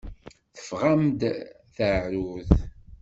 Teffeɣ-am-d teεrurt.